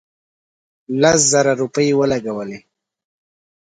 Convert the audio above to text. لس زره روپۍ ولګولې.